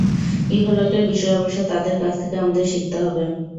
ইহলোকের বিষয়ে অবশ্য তাদের কাছ থেকে আমাদের শিখতে হবে।